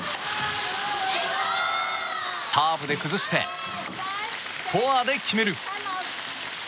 サーブで崩してフォアで決める！